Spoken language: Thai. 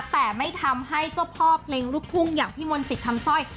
แต่ไม่ทำให้เจ้าพ่อเพลงลูกทุ่งอย่างพี่มนต์สิทธิ์คำสร้อย